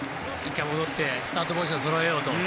１回戻ってスタートポジションをそろえようと。